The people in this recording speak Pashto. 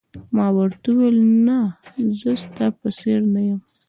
ما ورته وویل: نه، زه ستا په څېر نه یم.